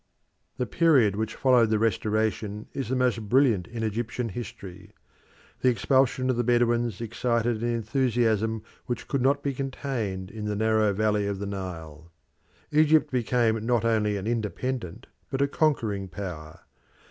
The period which followed the Restoration is the most brilliant in Egyptian history. The expulsion of the Bedouins excited an enthusiasm which could not be contained within the narrow valley of the Nile. Egypt became not only an independent but a conquering power.